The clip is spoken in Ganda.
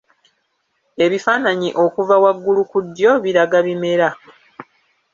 Ebifaananyi okuva waggulu ku ddyo biraga bimera.